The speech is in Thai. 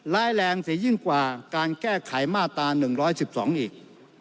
ร้ายแรงเสียยิ่งกว่าการแก้ไขมาตรา๑๑๒อีก